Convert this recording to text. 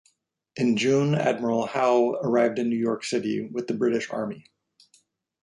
In June, Admiral Howe arrived in New York City with the British army.